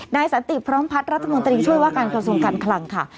นายสมศลิพร้อมพัดรัฐมนตรีช่วยว่าการก่อนทรงการคลั่งค่ะ